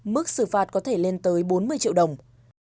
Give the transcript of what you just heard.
mức xử phạt có thể lên tới bốn mươi triệu đồng